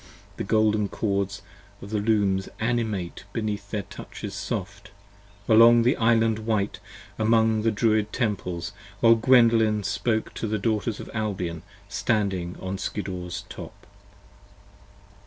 The golden cords of the Looms animate beneath their touches soft, 15 Along the Island white, among the Druid Temples, while Gwendolen Spoke to the Daughters of Albion standing on Skiddaw's top.